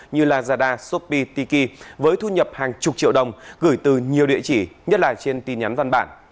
như lazada shopee tiki với thu nhập hàng chục triệu đồng gửi từ nhiều địa chỉ nhất là trên tin nhắn văn bản